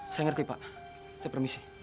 saya ngerti pak saya permisi